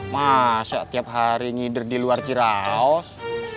masa tiap hari ngider di luar ciraos